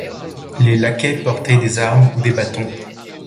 Les laquais portaient des armes ou des batons.